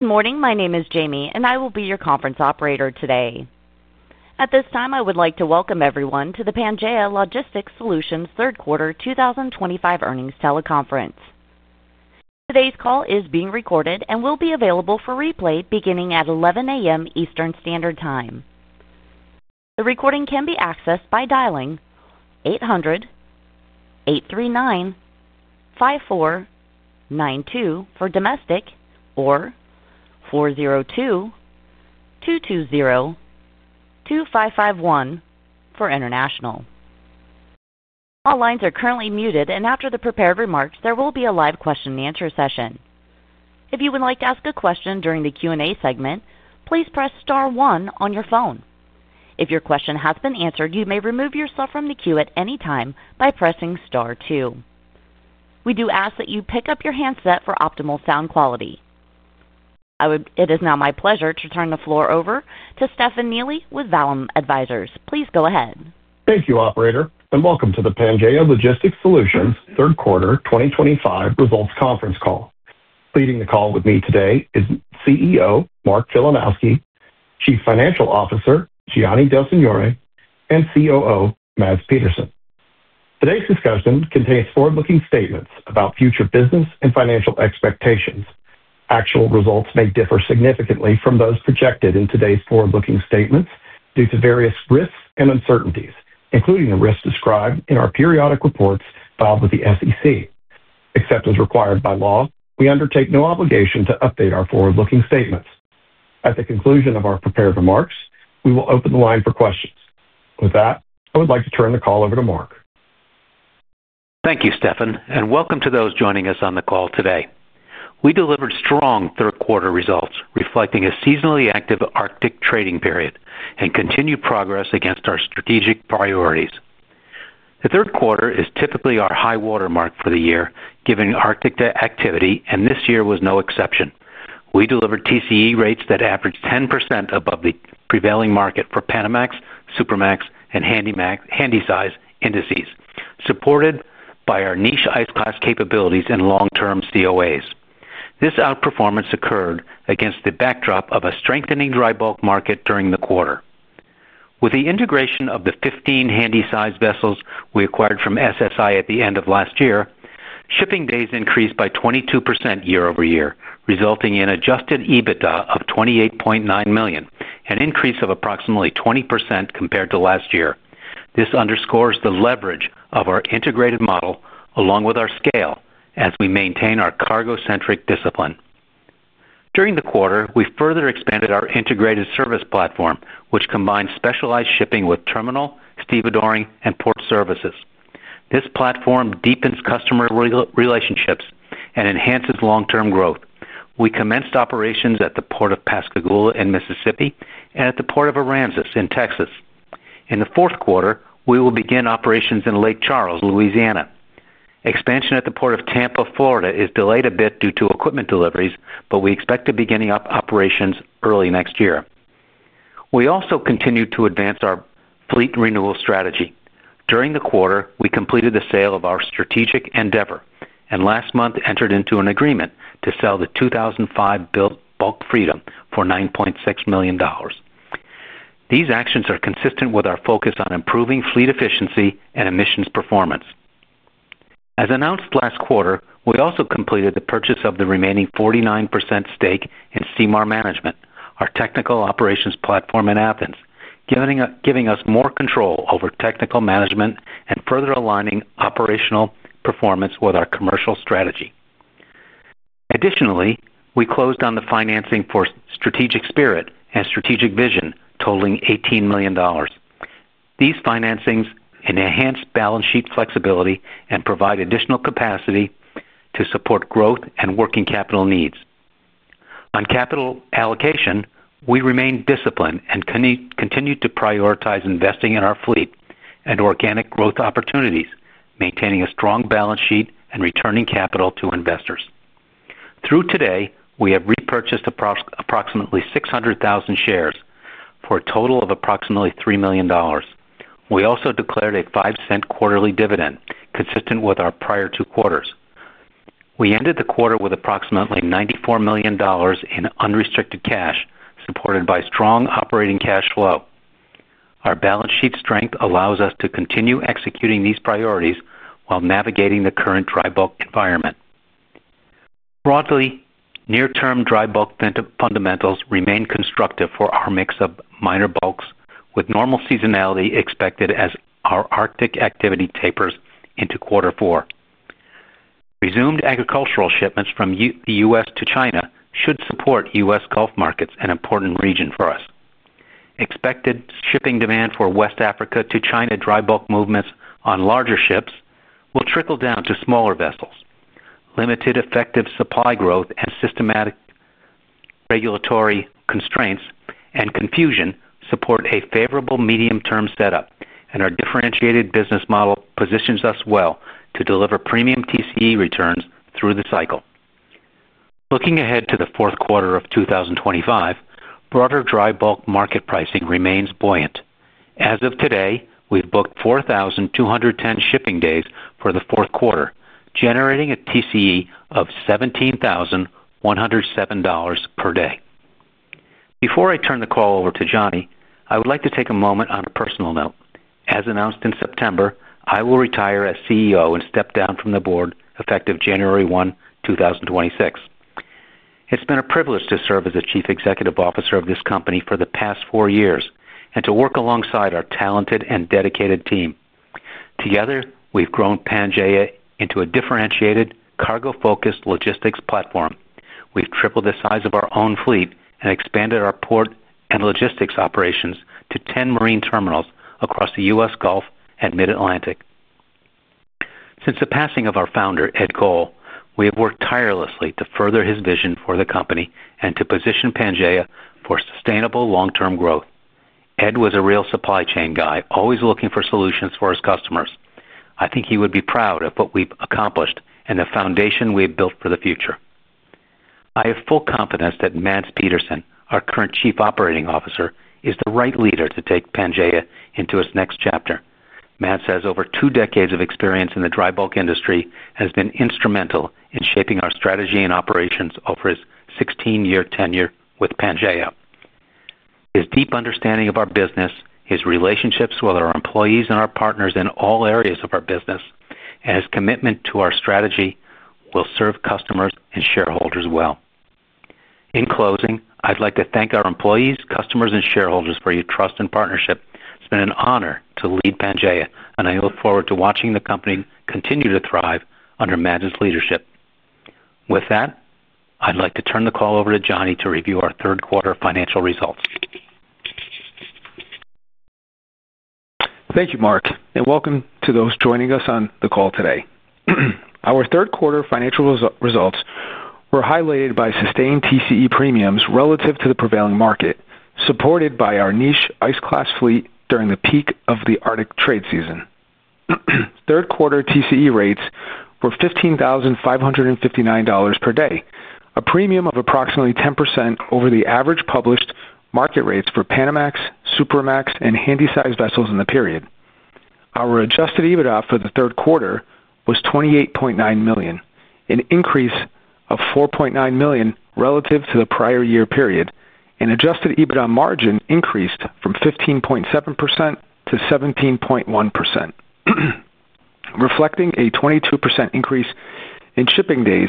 Good morning. My name is Jamie, and I will be your conference operator today. At this time, I would like to welcome everyone to the Pangaea Logistics Solutions third quarter 2025 earnings teleconference. Today's call is being recorded and will be available for replay beginning at 11:00 A.M. Eastern Standard Time. The recording can be accessed by dialing 800-839-5492 for domestic or 402-220-2551 for international. All lines are currently muted, and after the prepared remarks, there will be a live question-and-answer session. If you would like to ask a question during the Q&A segment, please press star one on your phone. If your question has been answered, you may remove yourself from the queue at any time by pressing star two. We do ask that you pick up your handset for optimal sound quality. It is now my pleasure to turn the floor over to Stefan Neely with Vallum Advisors. Please go ahead. Thank you, Operator, and welcome to the Pangaea Logistics Solutions third quarter 2025 results conference call. Leading the call with me today is CEO Mark Filanowski, Chief Financial Officer Gianni Del Signore, and COO Mads Petersen. Today's discussion contains forward-looking statements about future business and financial expectations. Actual results may differ significantly from those projected in today's forward-looking statements due to various risks and uncertainties, including the risks described in our periodic reports filed with the SEC. Except as required by law, we undertake no obligation to update our forward-looking statements. At the conclusion of our prepared remarks, we will open the line for questions. With that, I would like to turn the call over to Mark. Thank you, Stefan, and welcome to those joining us on the call today. We delivered strong third quarter results reflecting a seasonally active Arctic trading period and continued progress against our strategic priorities. The third quarter is typically our high watermark for the year, given Arctic activity, and this year was no exception. We delivered TCE rates that averaged 10% above the prevailing market for Panamax, Supermax, and Handy Size indices, supported by our niche ice class capabilities and long-term COAs. This outperformance occurred against the backdrop of a strengthening dry bulk market during the quarter. With the integration of the 15 Handy Size vessels we acquired from SSI at the end of last year, shipping days increased by 22% year-over-year, resulting in adjusted EBITDA of $28.9 million, an increase of approximately 20% compared to last year. This underscores the leverage of our integrated model along with our scale as we maintain our cargo-centric discipline. During the quarter, we further expanded our integrated service platform, which combines specialized shipping with terminal, stevedoring, and port services. This platform deepens customer relationships and enhances long-term growth. We commenced operations at the port of Pascagoula in Mississippi and at the port of Aransas in Texas. In the fourth quarter, we will begin operations in Lake Charles, Louisiana. Expansion at the port of Tampa, Florida, is delayed a bit due to equipment deliveries, but we expect to be getting up operations early next year. We also continue to advance our fleet renewal strategy. During the quarter, we completed the sale of our Strategic Endeavor and last month entered into an agreement to sell the 2005-built Bulk Freedom for $9.6 million. These actions are consistent with our focus on improving fleet efficiency and emissions performance. As announced last quarter, we also completed the purchase of the remaining 49% stake in Seymar Management, our technical operations platform in Athens, giving us more control over technical management and further aligning operational performance with our commercial strategy. Additionally, we closed on the financing for Strategic Spirit and Strategic Vision, totaling $18 million. These financings enhance balance sheet flexibility and provide additional capacity to support growth and working capital needs. On capital allocation, we remain disciplined and continue to prioritize investing in our fleet and organic growth opportunities, maintaining a strong balance sheet and returning capital to investors. Through today, we have repurchased approximately 600,000 shares for a total of approximately $3 million. We also declared a $0.05 quarterly dividend, consistent with our prior two quarters. We ended the quarter with approximately $94 million in unrestricted cash, supported by strong operating cash flow. Our balance sheet strength allows us to continue executing these priorities while navigating the current dry bulk environment. Broadly, near-term dry bulk fundamentals remain constructive for our mix of minor bulks, with normal seasonality expected as our Arctic activity tapers into quarter four. Resumed agricultural shipments from the U.S. to China should support U.S. Gulf markets, an important region for us. Expected shipping demand for West Africa to China dry bulk movements on larger ships will trickle down to smaller vessels. Limited effective supply growth and systematic regulatory constraints and confusion support a favorable medium-term setup, and our differentiated business model positions us well to deliver premium TCE returns through the cycle. Looking ahead to the fourth quarter of 2025, broader dry bulk market pricing remains buoyant. As of today, we've booked 4,210 shipping days for the fourth quarter, generating a TCE of $17,107 per day. Before I turn the call over to Johnny, I would like to take a moment on a personal note. As announced in September, I will retire as CEO and step down from the board effective January 1, 2026. It's been a privilege to serve as Chief Executive Officer of this company for the past four years and to work alongside our talented and dedicated team. Together, we've grown Pangaea into a differentiated, cargo-focused logistics platform. We've tripled the size of our own fleet and expanded our port and logistics operations to 10 marine terminals across the U.S. Gulf and Mid-Atlantic. Since the passing of our founder, Ed Coll, we have worked tirelessly to further his vision for the company and to position Pangaea for sustainable long-term growth. Ed was a real supply chain guy, always looking for solutions for his customers. I think he would be proud of what we've accomplished and the foundation we have built for the future. I have full confidence that Mads Petersen, our current Chief Operating Officer, is the right leader to take Pangaea into its next chapter. Mads has over two decades of experience in the dry bulk industry and has been instrumental in shaping our strategy and operations over his 16-year tenure with Pangaea. His deep understanding of our business, his relationships with our employees and our partners in all areas of our business, and his commitment to our strategy will serve customers and shareholders well. In closing, I'd like to thank our employees, customers, and shareholders for your trust and partnership. It's been an honor to lead Pangaea, and I look forward to watching the company continue to thrive under Mads's leadership. With that, I'd like to turn the call over to Gianni to review our third quarter financial results. Thank you, Mark, and welcome to those joining us on the call today. Our third quarter financial results were highlighted by sustained TCE premiums relative to the prevailing market, supported by our niche ice class fleet during the peak of the Arctic trade season. Third quarter TCE rates were $15,559 per day, a premium of approximately 10% over the average published market rates for Panamax, Supermax, and Handy Size vessels in the period. Our adjusted EBITDA for the third quarter was $28.9 million, an increase of $4.9 million relative to the prior year period, and adjusted EBITDA margin increased from 15.7%-17.1%, reflecting a 22% increase in shipping days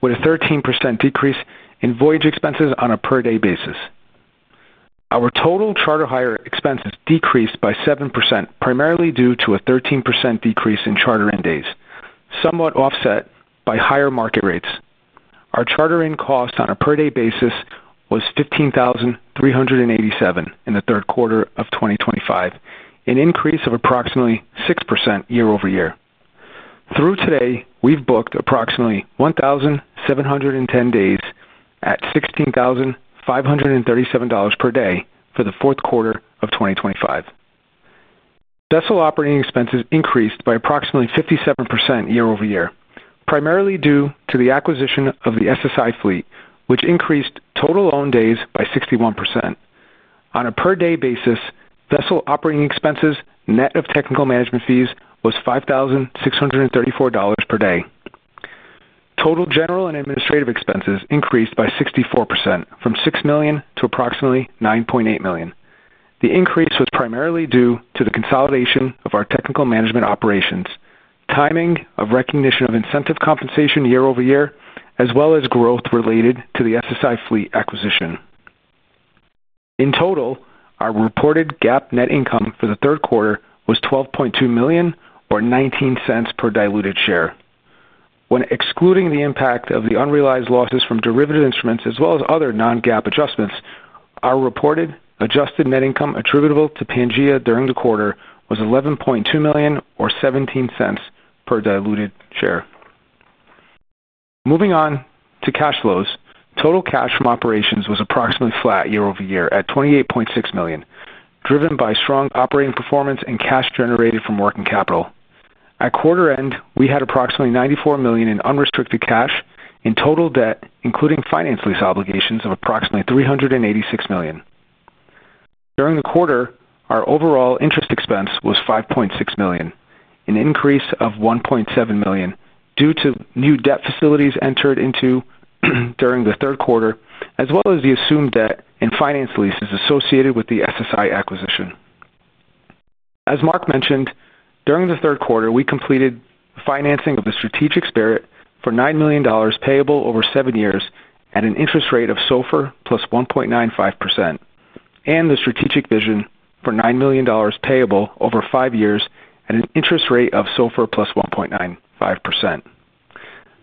with a 13% decrease in voyage expenses on a per-day basis. Our total charter hire expenses decreased by 7%, primarily due to a 13% decrease in charter-in days, somewhat offset by higher market rates. Our charter-in cost on a per-day basis was $15,387 in the third quarter of 2025, an increase of approximately 6% year-over-year. Through today, we've booked approximately 1,710 days at $16,537 per day for the fourth quarter of 2025. Vessel operating expenses increased by approximately 57% year-over-year, primarily due to the acquisition of the SSI fleet, which increased total owned days by 61%. On a per-day basis, vessel operating expenses net of technical management fees was $5,634 per day. Total general and administrative expenses increased by 64%, from $6 million to approximately $9.8 million. The increase was primarily due to the consolidation of our technical management operations, timing of recognition of incentive compensation year-over-year, as well as growth related to the SSI fleet acquisition. In total, our reported GAAP net income for the third quarter was $12.2 million, or $0.19 per diluted share. When excluding the impact of the unrealized losses from derivative instruments as well as other non-GAAP adjustments, our reported adjusted net income attributable to Pangaea during the quarter was $11.2 million, or $0.17 per diluted share. Moving on to cash flows, total cash from operations was approximately flat year-over-year at $28.6 million, driven by strong operating performance and cash generated from working capital. At quarter end, we had approximately $94 million in unrestricted cash and total debt, including finance lease obligations of approximately $386 million. During the quarter, our overall interest expense was $5.6 million, an increase of $1.7 million due to new debt facilities entered into during the third quarter, as well as the assumed debt and finance leases associated with the SSI acquisition. As Marc mentioned, during the third quarter, we completed financing of the Strategic Spirit for $9 million payable over seven years at an interest rate of SOFR plus 1.95%, and the Strategic Vision for $9 million payable over five years at an interest rate of SOFR plus 1.95%.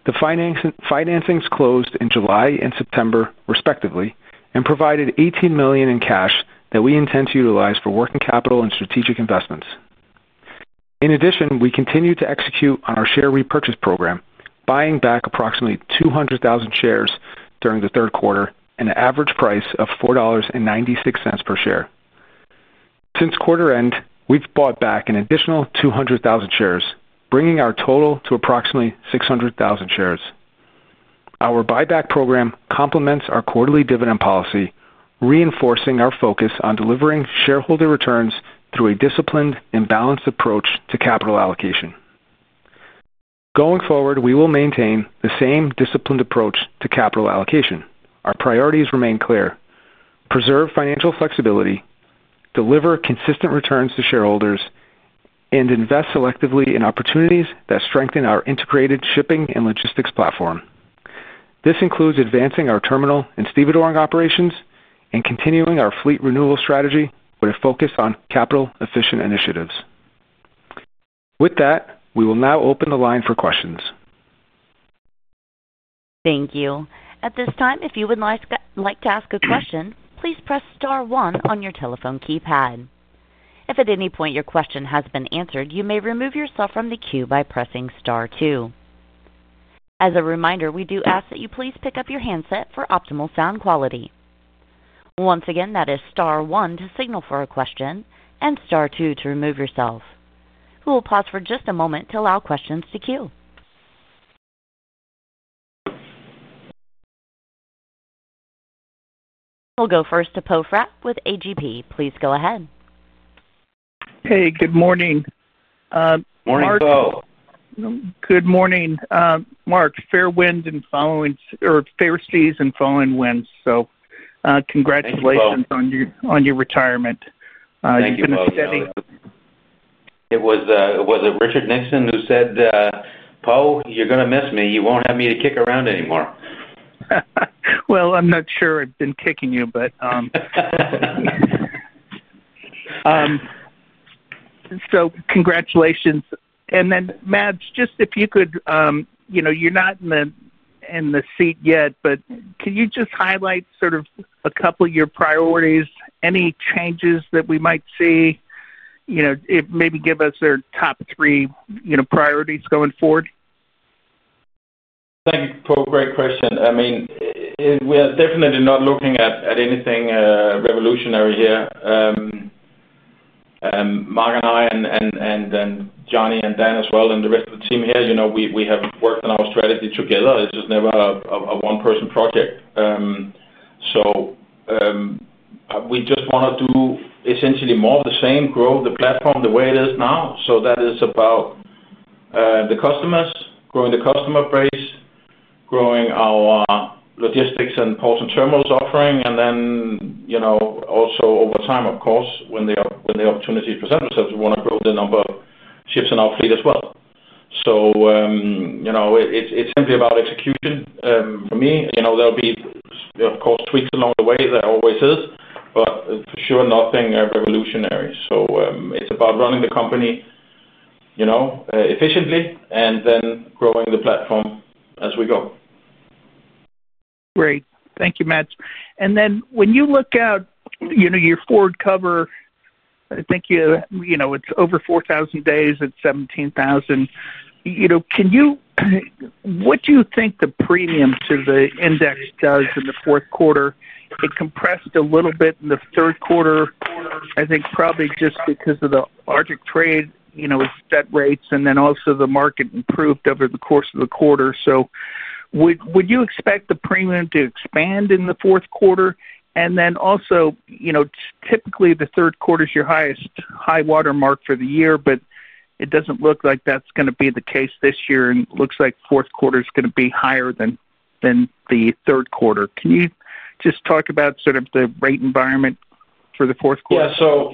The financings closed in July and September, respectively, and provided $18 million in cash that we intend to utilize for working capital and strategic investments. In addition, we continue to execute on our share repurchase program, buying back approximately 200,000 shares during the third quarter at an average price of $4.96 per share. Since quarter end, we've bought back an additional 200,000 shares, bringing our total to approximately 600,000 shares. Our buyback program complements our quarterly dividend policy, reinforcing our focus on delivering shareholder returns through a disciplined and balanced approach to capital allocation. Going forward, we will maintain the same disciplined approach to capital allocation. Our priorities remain clear: preserve financial flexibility, deliver consistent returns to shareholders, and invest selectively in opportunities that strengthen our integrated shipping and logistics platform. This includes advancing our terminal and stevedoring operations and continuing our fleet renewal strategy with a focus on capital-efficient initiatives. With that, we will now open the line for questions. Thank you. At this time, if you would like to ask a question, please press star one on your telephone keypad. If at any point your question has been answered, you may remove yourself from the queue by pressing star two. As a reminder, we do ask that you please pick up your handset for optimal sound quality. Once again, that is star one to signal for a question and star two to remove yourself. We will pause for just a moment to allow questions to queue. We'll go first to Poe Fratt with AGP. Please go ahead. Hey, good morning. Morning, Coll. Good morning. Marc, fair winds and following seas or fair seas and following winds. Congratulations on your retirement. You've been a steady. Thank you. It was Richard Nixon who said, "Poe, you're going to miss me. You won't have me to kick around anymore. I'm not sure I've been kicking you, but. Congratulations. And then, Mads, just if you could, you're not in the seat yet, but can you just highlight sort of a couple of your priorities, any changes that we might see, maybe give us your top three priorities going forward? Thank you, Coll. Great question. I mean, we are definitely not looking at anything revolutionary here. Marc and I and Johnny and Dan as well and the rest of the team here, we have worked on our strategy together. It's just never a one-person project. We just want to do essentially more of the same, grow the platform the way it is now. That is about the customers, growing the customer base, growing our logistics and port and terminals offering, and then also over time, of course, when the opportunity presents itself, we want to grow the number of ships in our fleet as well. It's simply about execution. For me, there will be, of course, tweaks along the way. There always is, but for sure nothing revolutionary. It's about running the company efficiently and then growing the platform as we go. Great. Thank you, Mads. And then when you look at your forward cover, I think it's over 4,000 days at $17,000. What do you think the premium to the index does in the fourth quarter? It compressed a little bit in the third quarter, I think, probably just because of the Arctic trade, its debt rates, and then also the market improved over the course of the quarter. Would you expect the premium to expand in the fourth quarter? Also, typically, the third quarter is your highest high-water mark for the year, but it doesn't look like that's going to be the case this year, and it looks like the fourth quarter is going to be higher than the third quarter. Can you just talk about sort of the rate environment for the fourth quarter? Yeah.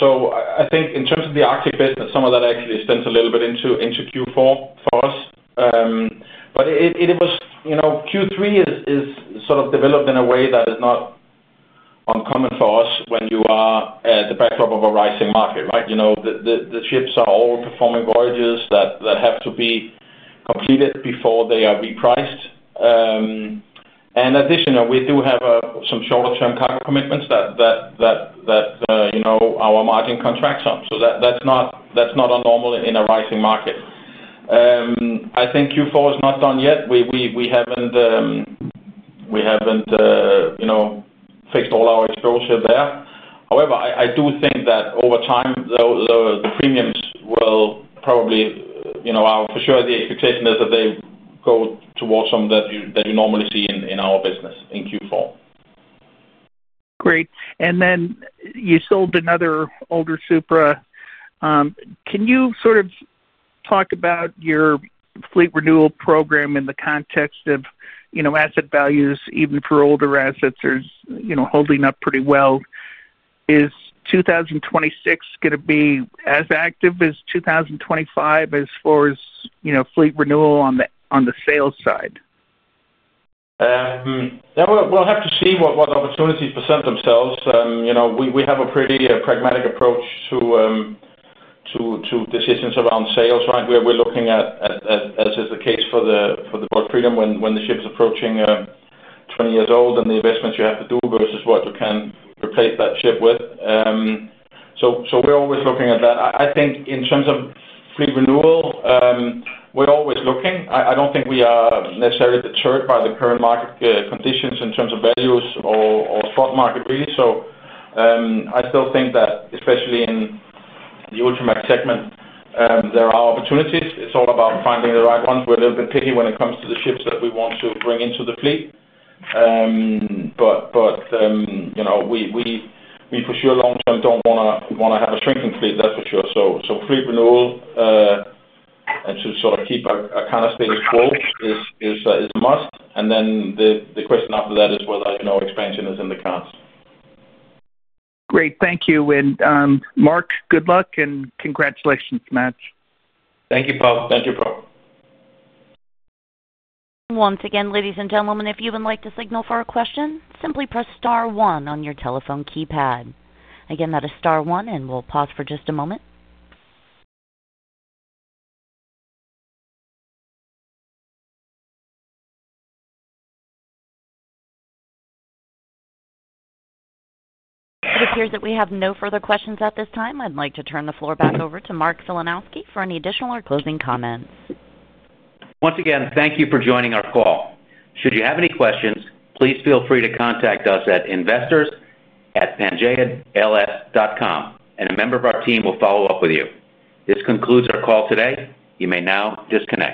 So I think in terms of the Arctic business, some of that actually extends a little bit into Q4 for us. Q3 is sort of developed in a way that is not uncommon for us when you are at the backdrop of a rising market, right? The ships are all performing voyages that have to be completed before they are repriced. Additionally, we do have some shorter-term cargo commitments that our margin contracts are. That's not uncommon in a rising market. I think Q4 is not done yet. We haven't fixed all our exposure there. However, I do think that over time, the premiums will probably for sure, the expectation is that they go towards some that you normally see in our business in Q4. Great. You sold another older Supra. Can you sort of talk about your fleet renewal program in the context of asset values, even for older assets? They're holding up pretty well. Is 2026 going to be as active as 2025 as far as fleet renewal on the sales side? will have to see what opportunities present themselves. We have a pretty pragmatic approach to decisions around sales, right? We are looking at, as is the case for the Bulk Freedom, when the ship is approaching 20 years old and the investments you have to do versus what you can replace that ship with. We are always looking at that. I think in terms of fleet renewal, we are always looking. I do not think we are necessarily deterred by the current market conditions in terms of values or spot market, really. I still think that, especially in the ultimate segment, there are opportunities. It is all about finding the right ones. We are a little bit picky when it comes to the ships that we want to bring into the fleet. We for sure, long term, do not want to have a shrinking fleet. That is for sure. Fleet renewal and to sort of keep a kind of status quo is a must. And then the question after that is whether expansion is in the cards. Great. Thank you. Mark, good luck and congratulations, Mads. Thank you, Coll. Once again, ladies and gentlemen, if you would like to signal for a question, simply press star one on your telephone keypad. Again, that is star one, and we'll pause for just a moment. It appears that we have no further questions at this time. I'd like to turn the floor back over to Mark Filanowski for any additional or closing comments. Once again, thank you for joining our call. Should you have any questions, please feel free to contact us at investors@pangaea-ls.com, and a member of our team will follow up with you. This concludes our call today. You may now disconnect.